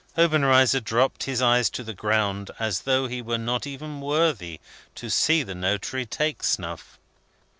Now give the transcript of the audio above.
Obenreizer dropped his eyes to the ground, as though he were not even worthy to see the notary take snuff.